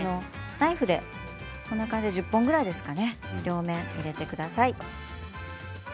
ナイフで１０本くらいですかね、両面に入れてください。